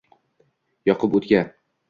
Yoqib o’tga